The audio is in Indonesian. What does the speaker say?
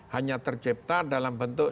hanya tercipta dalam bentuk